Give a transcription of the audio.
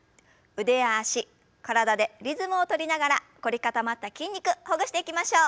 腕や脚体でリズムを取りながら凝り固まった筋肉ほぐしていきましょう。